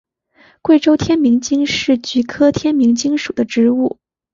贵州天名精是菊科天名精属的植物。